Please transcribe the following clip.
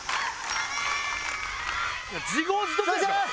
自業自得やから。